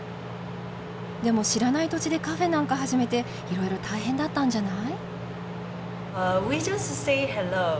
でも知らない土地でカフェーなんか始めていろいろ大変だったんじゃない？